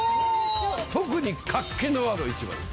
特に活気のある市場です。